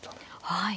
はい。